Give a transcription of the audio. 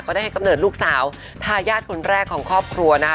ได้ให้กำเนิดลูกสาวทายาทคนแรกของครอบครัวนะคะ